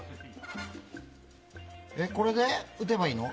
これで打てばいいの？